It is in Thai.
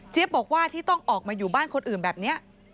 บอกว่าที่ต้องออกมาอยู่บ้านคนอื่นแบบนี้